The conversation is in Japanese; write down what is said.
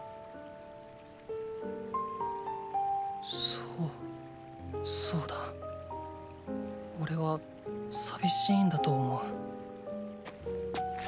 そうそうだおれはさびしいんだと思う。